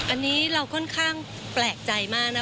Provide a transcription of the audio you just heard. อันนี้เราค่อนข้างแปลกใจมากนะ